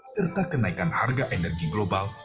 serta kenaikan harga energi global